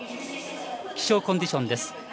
気象コンディションです。